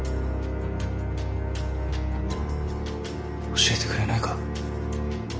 ・教えてくれないか？